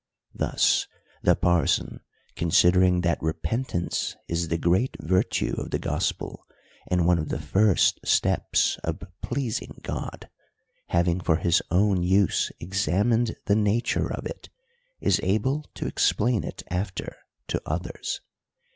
Thus the parson, considering that repentance is the great virtue of the gospel, and one of the first steps of pleasing God, having for his own use examined the nature of it, is able to explain it after to others.